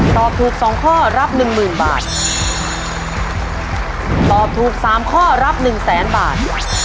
ตอบถูกสองข้อรับหนึ่งหมื่นบาทตอบถูกสามข้อรับหนึ่งแสนบาท